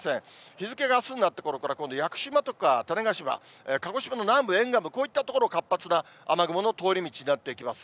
日付があすになったころから今度、屋久島とか種子島、鹿児島の南部、沿岸部、こういった所、活発な雨雲の通り道になってきます。